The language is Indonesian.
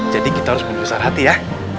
jadi kita harus membesar hati ya